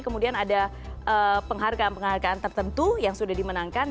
kemudian ada penghargaan penghargaan tertentu yang sudah dimenangkan